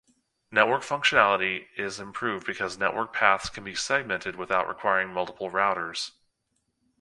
Network functionality is improved because network paths can be segmented without requiring multiple routers.